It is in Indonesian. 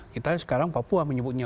kita sekarang papua menyebutnya